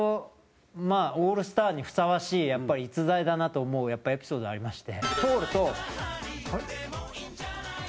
まあ、オールスターにふさわしいやっぱり、逸材だなと思うエピソードありまして。